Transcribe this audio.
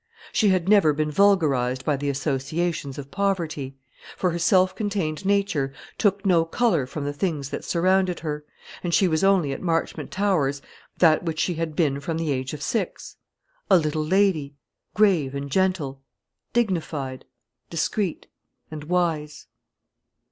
She had never been vulgarised by the associations of poverty; for her self contained nature took no colour from the things that surrounded her, and she was only at Marchmont Towers that which she had been from the age of six a little lady, grave and gentle, dignified, discreet, and wise.